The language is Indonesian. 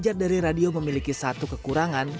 belajar dari radio memiliki satu kekurangan